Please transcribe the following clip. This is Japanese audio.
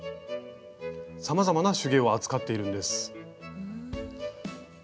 さまざまな手芸を扱っているんです。